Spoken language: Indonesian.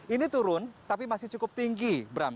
ini turun tapi masih cukup tinggi bram